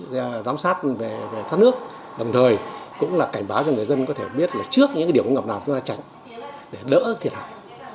chúng giám sát về thoát nước đồng thời cũng là cảnh báo cho người dân có thể biết là trước những điểm ngập nào chúng ta tránh để đỡ thiệt hại